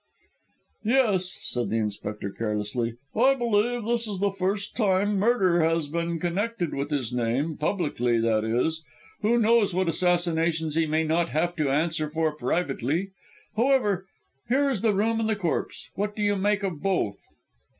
"Yes," said the Inspector carelessly; "I believe this is the first time murder has been connected with his name publicly, that is. Who knows what assassinations he may not have to answer for privately? However, here is the room and the corpse. What do you make of both?"